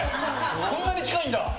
こんなに近いんだ。